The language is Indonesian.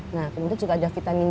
nah kemudian juga ada vitamin